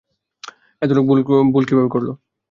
এতো লোক ভুল কিভাবে করলো?